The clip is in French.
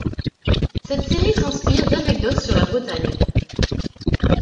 Cette série s'inspire d'anecdotes sur la Bretagne.